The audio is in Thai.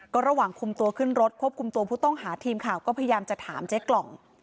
ก็ระหว่างคุมตัวขึ้นรถควบคุมตัวผู้ต้องหาทีมข่าวก็พยายามจะถามเจ๊กล่อง